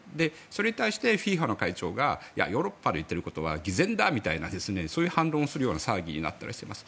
それに対してＦＩＦＡの会長がいや、ヨーロッパの言っていることは偽善だみたいなそういう反論をするような騒ぎになったりしています。